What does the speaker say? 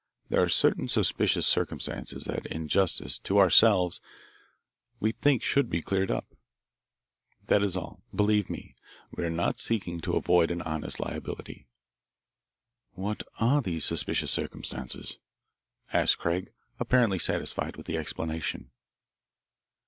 There are certain suspicious circumstances that in justice to ourselves we think should be cleared up. That is all believe me. We are not seeking to avoid an honest liability." "What are these suspicious circumstances?" asked Craig, apparently satisfied with the explanation.